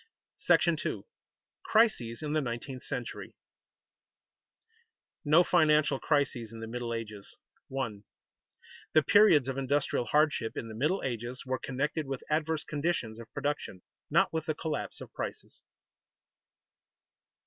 § II. CRISES IN THE NINETEENTH CENTURY [Sidenote: No financial crises in the Middle Ages] 1. _The periods of industrial hardship in the Middle Ages were connected with adverse conditions of production, not with the collapse of prices.